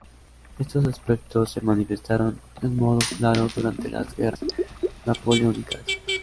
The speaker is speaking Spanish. Estos aspectos se manifestaron de un modo claro durante las Guerras Napoleónicas.